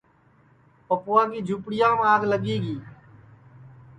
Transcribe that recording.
پپوا کی جُھوپڑیام آگ لگی گی